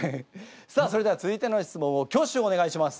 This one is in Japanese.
さあそれでは続いての質問を挙手お願いします。